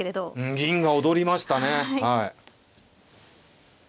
銀が踊りましたねはい。